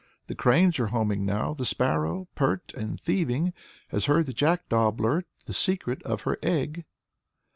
The cranes are homing now, the sparrow, pert and thieving, Has heard the jackdaw blurt the secret of her egg."